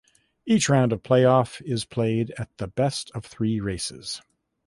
Each round of Play Off is played at the best of three races.